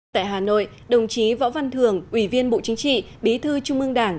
tại hà nội đồng chí võ văn thường ủy viên bộ chính trị bí thư trung ương đảng